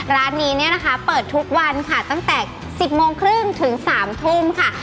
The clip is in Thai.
ร้านนี้เนี่ยนะคะเปิดทุกวันค่ะตั้งแต่๑๐โมงครึ่งถึง๓ทุ่มค่ะ